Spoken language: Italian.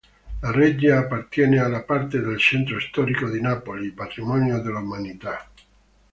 La reggia appartiene alla parte del centro storico di Napoli patrimonio dell'umanità.